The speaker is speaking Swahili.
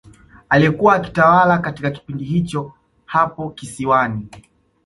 Aliyekuwa akitawala katika kipindi hicho hapo kisiwani